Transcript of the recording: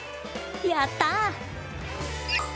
やった！